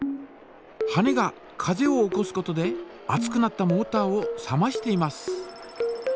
羽根が風を起こすことで熱くなったモータを冷ましています。